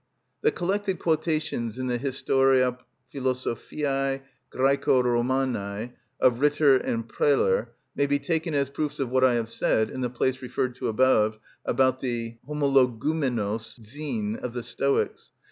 _) The collected quotations in the "Historia Philosophiæ Græco Romanæ" of Ritter and Preller may be taken as proofs of what I have said, in the place referred to above, about the ὁμολογουμενως ζῃν of the Stoics.